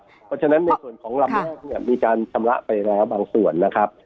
เพราะฉะนั้นในส่วนของลำแรกเนี่ยมีการชำระไปแล้วบางส่วนนะครับ